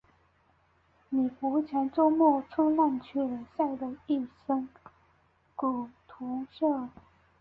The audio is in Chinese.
李国强周末冲浪去了，晒得一身古铜色。